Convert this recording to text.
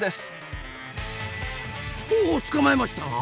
おおっ捕まえましたな！